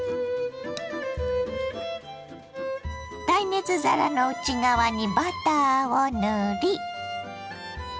耐熱皿の内側にバターを塗り。